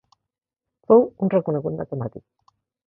Fou un reconegut matemàtic.